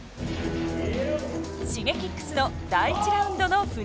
Ｓｈｉｇｅｋｉｘの第１ラウンドのフリーズ。